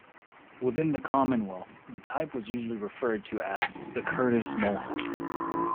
Within the Commonwealth, the type was usually referred to as the Curtiss Mohawk.